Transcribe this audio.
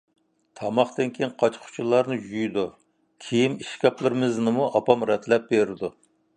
تاماقتىن كېيىن قاچا-قۇچىلارنى يۇيىدۇ. كىيىم ئىشكاپلىرىمىزنىمۇ ئاپام رەتلەپ بېرىدۇ.